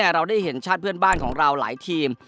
เราได้เห็นชาติเพื่อนบ้านของเราหลายทีม